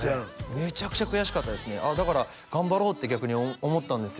めちゃくちゃ悔しかったですねだから頑張ろうって逆に思ったんですよ